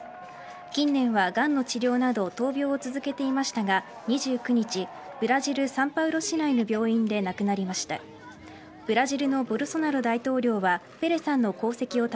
近年は、がんの治療など闘病を続けていましたが２９日ブラジル・サンパウロ市内の病院で亡くなりました。